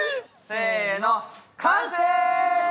せの完成！